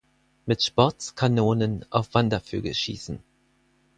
Mit Sportskanonen auf Wandervögel schießen.